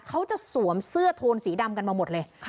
เขาจะสวมเสื้อโทนสีดำกันมาหมดเลย